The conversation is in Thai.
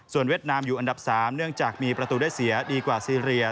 เวียดนามอยู่อันดับ๓เนื่องจากมีประตูได้เสียดีกว่าซีเรีย